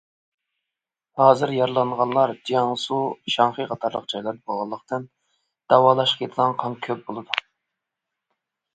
ھازىر يارىلانغانلار جياڭسۇ، شاڭخەي قاتارلىق جايلاردا بولغانلىقتىن داۋالاشقا كېتىدىغان قان كۆپ بولىدۇ.